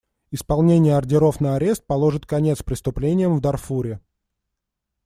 Исполнение ордеров на арест положит конец преступлениям в Дарфуре.